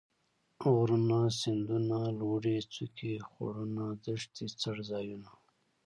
غرونه ،سيندونه ،لوړې څوکي ،خوړونه ،دښتې ،څړ ځايونه